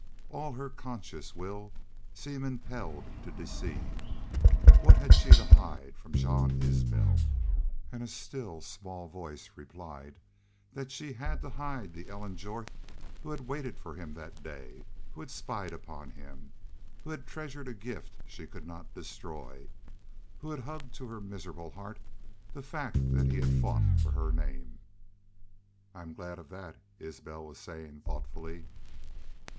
All her conscious will seemed impelled to deceive. What had she to hide from Jean Isbel? And a still, small voice replied that she had to hide the Ellen Jorth who had waited for him that day, who had spied upon him, who had treasured a gift she could not destroy, who had hugged to her miserable heart the fact that he had fought for her name. "I'm glad of that," Isbel was saying, thoughtfully.